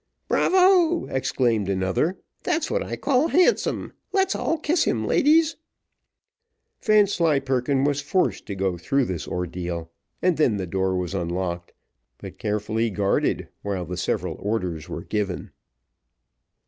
"Bravo!" exclaimed another, "that's what I call handsome; let's all kiss him, ladies." Vanslyperken was forced to go through this ordeal, and then the door was unlocked, but carefully guarded, while the several orders were given.